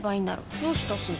どうしたすず？